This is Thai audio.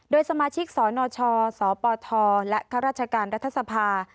โดยสมาชิกสนชสปทและข้าราชการรัฐสภา